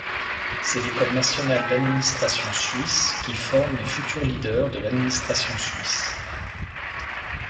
C'est l'école nationale d'administration suisse qui forme les futurs leaders de l'administration suisse.